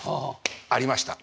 ありました。